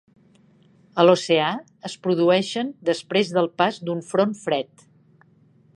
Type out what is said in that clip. A l'oceà es produeixen després del pas d'un front fred.